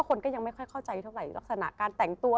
คนก็ยังไม่ค่อยเข้าใจเท่าไหร่ลักษณะการแต่งตัว